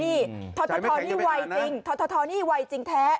นี่ทอทอทอนี่วัยจริงทอทอทอนี่วัยจริงแท้